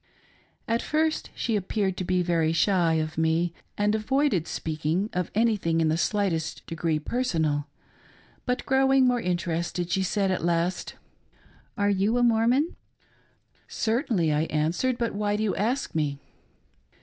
At first she appeared to be very shy of me, and avoided speaking of anything in the slightest degree personal ; but growing more interested, she said at last :" Are you a Mormon .'"" Certainly," I answered, " but why do you ask me